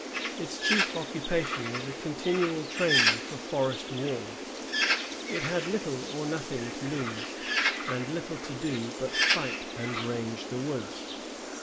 Its chief occupation was a continual training for forest war; it had little or nothing to lose, and little to do but fight and range the woods.